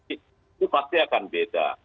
itu pasti akan beda